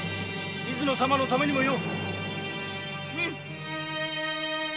水野様のためにもよ！